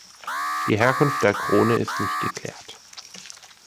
Die Herkunft der Krone ist nicht geklärt.